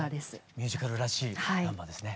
ミュージカルらしいナンバーですね。